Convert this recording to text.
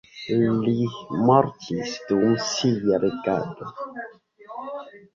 Li mortis dum sia regado.